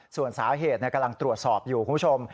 ส่วนสาเหตุกำลังตรวจสอบอยู่คุณผู้ชม